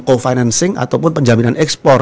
co financing ataupun penjaminan ekspor